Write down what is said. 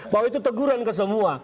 bahwa itu teguran ke semua